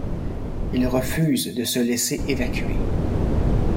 Il refuse de se laisser évacuer.